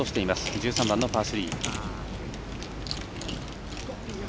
１３番、パー３。